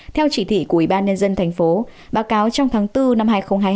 theo chỉ thị của ubnd tp báo cáo trong tháng bốn năm hai nghìn hai mươi hai